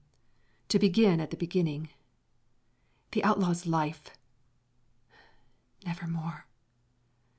To begin at the beginning: the outlaw's life never more!